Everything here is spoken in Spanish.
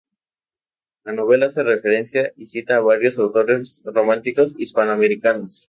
La novela hace referencia y cita a varios autores románticos hispanoamericanos.